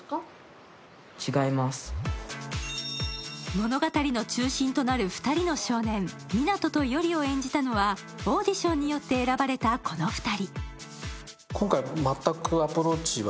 物語の中心となる２人の少年、湊と依里を演じたのはオーディションによって選ばれたこの２人。